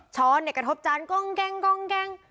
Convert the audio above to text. ช้อนอยากกระทบจานก้องแกงก้องแกง